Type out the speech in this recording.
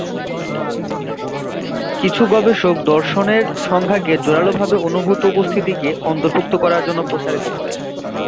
কিছু গবেষক দর্শনের সংজ্ঞাকে জোরালোভাবে অনুভূত উপস্থিতিকে অন্তর্ভুক্ত করার জন্য প্রসারিত করে।